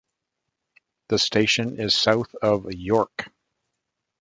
The station is south of York.